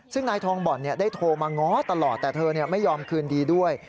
ซึ่งนายทองบ่อนได้โทรมาง้อตลอดแต่เธอไม่ยอมคืนดีด้วย